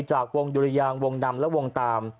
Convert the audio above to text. จากวงดุรยางวงดำและวงตาม